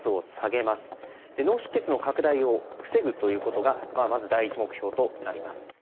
脳出血の拡大を防ぐということがまず第一目標となります。